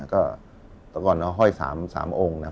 ก็ตอนก่อนเราห้อย๓องค์นะฮะ